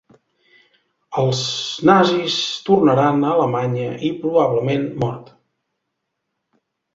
Els Nazis tornaran a Alemanya i probablement mort.